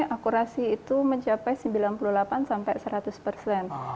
akurasi itu mencapai sembilan puluh delapan sampai seratus persen